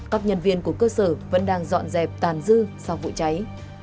các nhân viên của cơ sở vẫn đang dọn dẹp tàn dư sau vụ cháy